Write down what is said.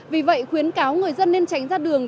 vì vậy khuyến cáo người dân nên tránh ra đường